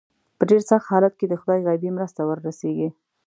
په ډېر سخت حالت کې د خدای غیبي مرسته ور ورسېږي.